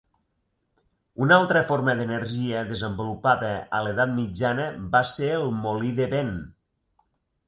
Una altra forma d'energia desenvolupada a l'Edat Mitjana va ser el molí de vent.